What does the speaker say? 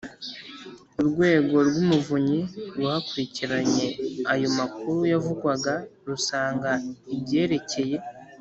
Urwego rw Umuvunyi rwakurikiranye ayo makuru yavugwaga rusanga ibyerekeye